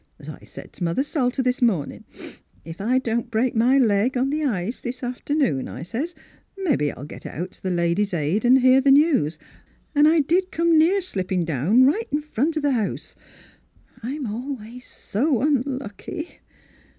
As I said t' mother Salter this morning, ' If I don't break my Miss Pkdlura's Wedding Gown leg on the ice this afternoon,' I says^ * mebbe I'll get out t' th' Ladies' Aid and hear the news.' An' I did come near slip pin' down right in front o' th' house. I'm always so unlucky."